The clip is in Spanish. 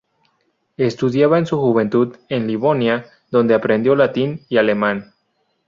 Estudiaba en su juventud en Livonia, donde aprendió latín y alemán.